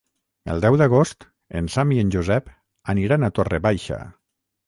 El deu d'agost en Sam i en Josep aniran a Torre Baixa.